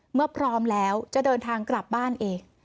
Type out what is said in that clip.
พร้อมแล้วจะเดินทางกลับบ้านเอง